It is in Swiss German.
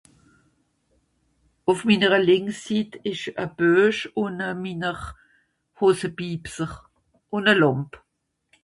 Ùf minnere linksitt ìsch e Büech ùn miner Hosebipser. ùn e Làmp!